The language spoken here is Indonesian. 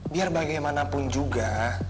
biar bagaimanapun juga